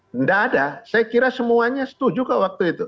tidak ada saya kira semuanya setuju kok waktu itu